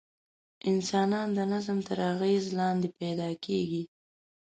انسانان د نظم تر اغېز لاندې پیدا کېږي.